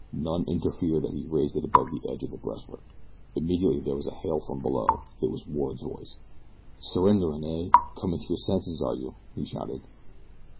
None interfered as he raised it above the edge of the breastwork. Immediately there was a hail from below. It was Ward's voice. "Surrenderin', eh? Comin' to your senses, are you?" he shouted.